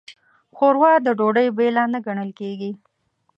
ښوروا د ډوډۍ بېله نه ګڼل کېږي.